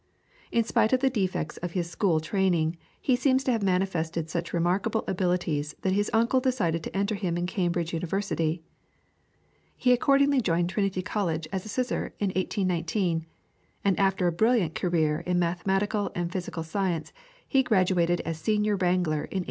In spite of the defects of his school training he seems to have manifested such remarkable abilities that his uncle decided to enter him in Cambridge University. He accordingly joined Trinity College as a sizar in 1819, and after a brilliant career in mathematical and physical science he graduated as Senior Wrangler in 1823.